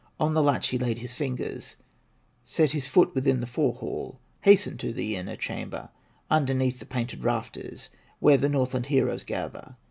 On the latch he laid his fingers, Set his foot within the fore hall, Hastened to the inner chamber, Underneath the painted rafters, Where the Northland heroes gather.